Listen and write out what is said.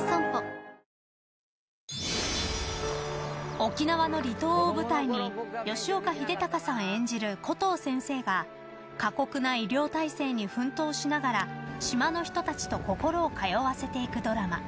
沖縄の離島を舞台に吉岡秀隆さん演じるコトー先生が過酷な医療体制に奮闘しながら島の人たちと心を通わせていくドラマ